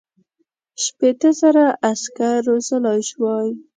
شپېته زره عسکر روزلای سوای.